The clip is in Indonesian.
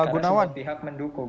karena semua pihak mendukung